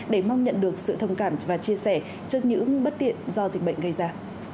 để mong nhận được sự thông cảm và chia sẻ trước những bất tiện do dịch bệnh gây ra